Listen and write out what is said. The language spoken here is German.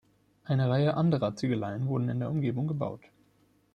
Eine Reihe anderer Ziegeleien wurden in der Umgebung gebaut.